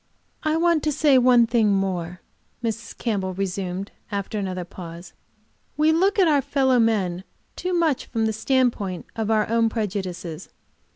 "I want to say one thing more," Mrs. Campbell resumed, after another pause. "We look at our fellow men too much from the standpoint of our own prejudices.